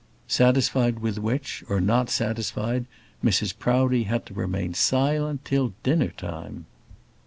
Satisfied with which, or not satisfied, Mrs Proudie had to remain silent till dinner time.